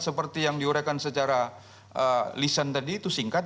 seperti yang diuraikan secara lisan tadi itu singkat